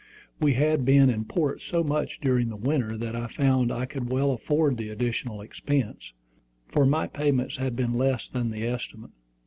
We had been in port so much during the winter that I found I could well afford the additional expense, for my payments had been less than the estimate.